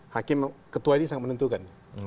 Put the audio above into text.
hakim ketua ini sangat menentukan